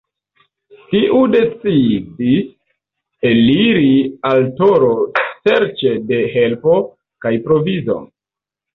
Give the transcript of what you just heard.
Tiu decidis eliri al Toro serĉe de helpo kaj provizo.